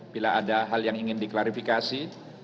bila ada hal yang ingin diklarifikasi